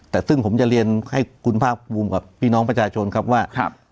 แต่ซึ่งผมจะเรียนให้คุณภาคภูมิกับพี่น้องประชาชนครับว่า